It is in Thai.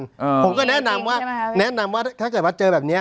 ผมก็แนะนำว่าถ้าเจอแบบนี้